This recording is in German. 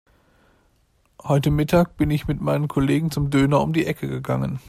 Heute Mittag bin ich mit meinen Kollegen zum Döner um die Ecke gegangen.